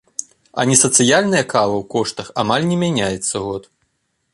А несацыяльная кава ў коштах амаль не мяняецца год.